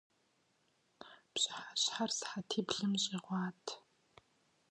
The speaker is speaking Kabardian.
Пщыхьэщхьэр сыхьэтиблым щӀигъуат.